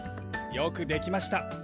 よくできました